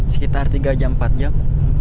sekitar tiga jam empat jam